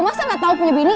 masa gak tau punya bini